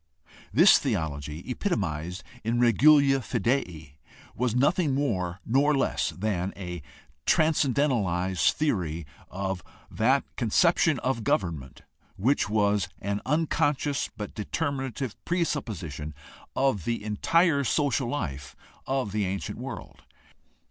This theology epitomized in regulafidei was nothing more nor less than a transcendentalized theory of that con ception of government which was an unconscious but deter minative presupposition of the entire social life of the ancient world.